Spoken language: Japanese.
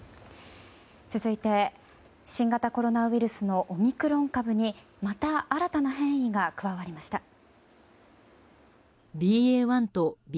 新型コロナウイルスのオミクロン株にまた新たな変異が加わりました。